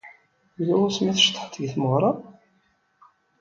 Yella wasmi ay tceḍḥeḍ deg tmeɣra?